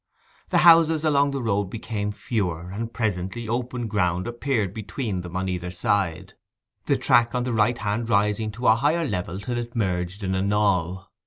The houses along the road became fewer, and presently open ground appeared between them on either side, the track on the right hand rising to a higher level till it merged in a knoll.